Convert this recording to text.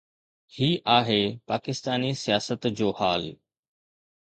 هي آهي پاڪستاني سياست جو حال.